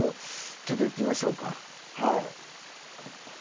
ちょっと行ってみましょうかはい。